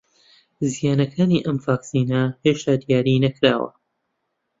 زیانەکانی ئەم ڤاکسینە هێشتا دیاری نەکراوە